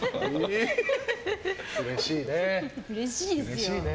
うれしいね。